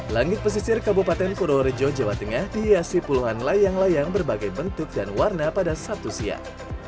langit pesisir kabupaten purworejo jawa tengah dihiasi puluhan layang layang berbagai bentuk dan warna pada sabtu siang